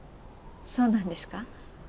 そうなんですか？